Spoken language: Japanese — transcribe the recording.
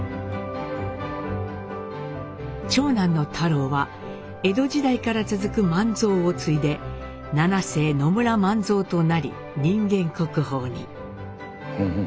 長男の太良は江戸時代から続く万蔵を継いで七世野村万蔵となり人間国宝に。